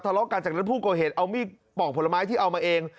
ทะเลาะกันจากนั้นผู้ก่อเหตุเอามีดปอกผลไม้ที่เอามาเอง